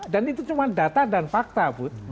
dan itu cuma data dan fakta bud